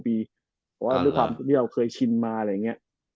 เพราะว่าเนื้อความที่เราเคยชินมาอ่ะ